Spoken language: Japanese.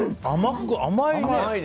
甘いね。